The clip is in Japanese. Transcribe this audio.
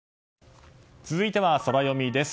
続いてはソラよみです。